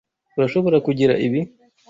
Urashobora kugira ibi.